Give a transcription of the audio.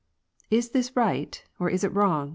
" Is this right, or is it wrong